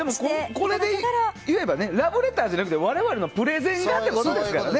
これでいえばラブレターじゃなくて我々のプレゼンがということですからね。